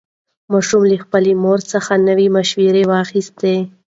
ماشوم له خپلې مور څخه نوې مشوره واخیسته